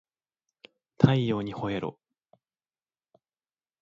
太陽にほえろ